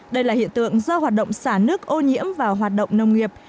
đây là hiện tượng do hoạt động xả nước ô nhiễm vào hoạt động nông nghiệp